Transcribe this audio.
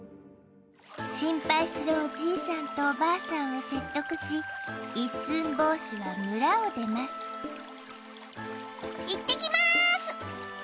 心配するおじいさんとおばあさんを説得し一寸法師は村を出ますいってきます！